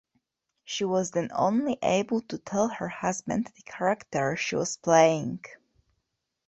She was then only able to tell her husband the character she was playing.